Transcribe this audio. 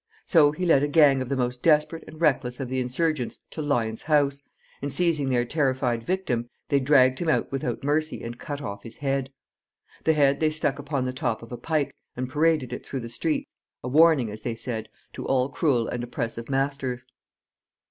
So he led a gang of the most desperate and reckless of the insurgents to Lyon's house, and, seizing their terrified victim, they dragged him out without mercy, and cut off his head. The head they stuck upon the top of a pike, and paraded it through the streets, a warning, as they said, to all cruel and oppressive masters.